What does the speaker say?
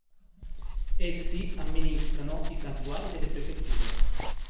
Essi amministrano i santuari delle prefetture.